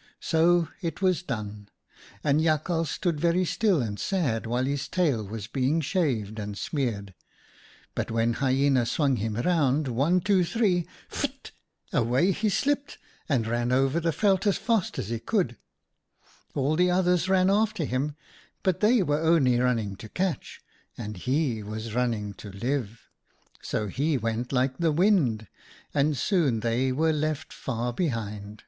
"' So it was done, and Jakhals stood very still and sad while his tail was being shaved SAVED BY HIS TAIL 107 and smeared. But when Hyena swung him round — one, two, three, pht !— away he slipped and ran over the veld as fast as he could. All the others ran after him, but they were only running to catch and he was running to live, so he went like the wind, and soon they were left far behind.